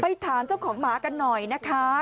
ถามเจ้าของหมากันหน่อยนะคะ